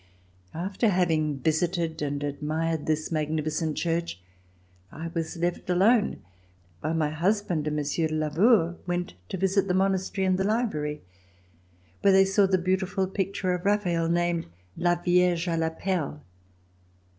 After having visited and admired this magnificent Church, I was left alone while my husband and Monsieur de Lavaur went to visit the Monastery and the Library where they saw the beautiful picture of Raphael named La Vierge a la Perle.